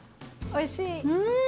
おいしい！